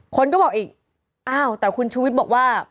คนก็บอกอีกอ้าวแต่คุณชูวิทย์บอกว่า